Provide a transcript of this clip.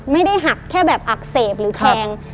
ไม่ได้หักแค่แบบอักเสบหรือแทง